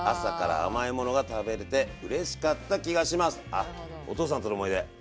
あお父さんとの思い出。